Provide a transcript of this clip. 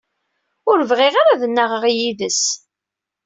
Ur bɣiɣ ara ad nnaɣeɣ yid-s.